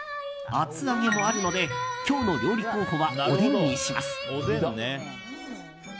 厚揚げもあるので今日の料理候補はおでんにします。